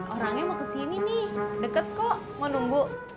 orangnya mau ke sini nih deket kok mau nunggu